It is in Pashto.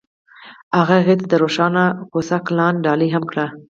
هغه هغې ته د روښانه کوڅه ګلان ډالۍ هم کړل.